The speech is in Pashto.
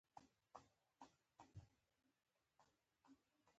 مه غوسه کېږه.